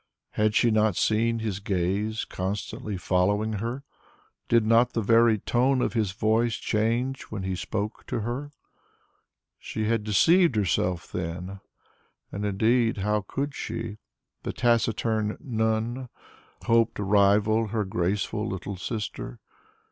Had she not seen his gaze constantly following her? Did not the very tone of his voice change when he spoke to her? She had deceived herself then! And indeed how could she, the taciturn "nun," hope to rival her graceful little sister?